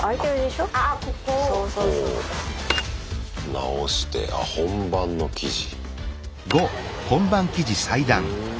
直してあ本番の生地。